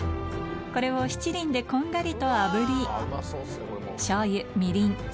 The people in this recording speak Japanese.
これをしちりんでこんがりとあぶりしょうゆみりん